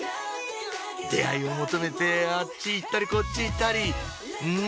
出会いを求めてあっち行ったりこっち行ったりうん？